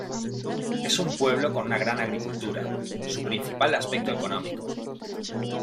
Es un pueblo con una gran agricultura, su principal aspecto económico.